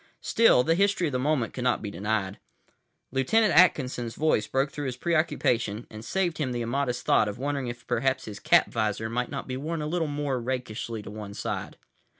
Still, the history of the moment could not be denied. Lieutenant Atkinson's voice broke through his preoccupation, and saved him the immodest thought of wondering if perhaps his cap visor might not be worn a little more rakishly to one side.